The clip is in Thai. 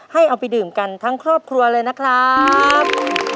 ให้เอาไปดื่มกันทั้งครอบครัวเลยนะครับ